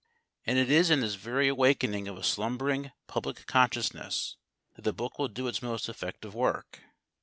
And it is in this very awakening of a slumbering public consciousness that the book will do its most effective work.